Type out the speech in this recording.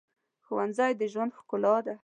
ښوونځی د ژوند ښکلا ده